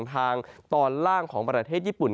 ทางตอนล่างของประเทศญี่ปุ่น